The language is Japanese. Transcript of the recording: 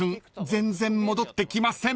全然戻ってきません］